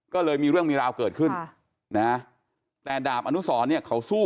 ก็เลยมีเรื่องมีราวเกิดขึ้นนะแต่ดาบอนุสรเนี่ยเขาสู้